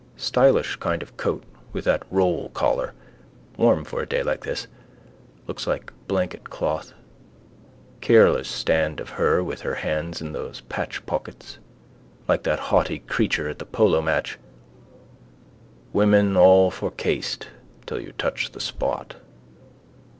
Stylish kind of coat with that roll collar, warm for a day like this, looks like blanketcloth. Careless stand of her with her hands in those patch pockets. Like that haughty creature at the polo match. Women all for caste till you touch the spot.